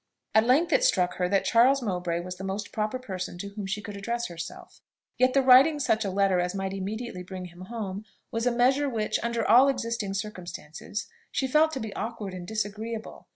At length it struck her that Charles Mowbray was the most proper person to whom she could address herself; yet the writing such a letter as might immediately bring him home, was a measure which, under all existing circumstances, she felt to be awkward and disagreeable.